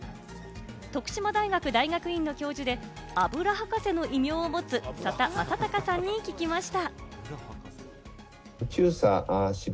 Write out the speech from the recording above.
徳島大学大学院の教授で、油博士の異名を持つ佐田政隆さんに聞きました。